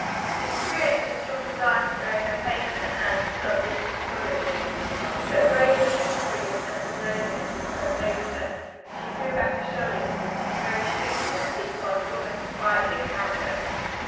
She experienced a strong desire to bury her face in her hands and sob disconsolately, but bravely conquering the sense of loneliness that swept over her, she threw back her shoulders and sitting very straight in her seat glanced almost defiantly about her.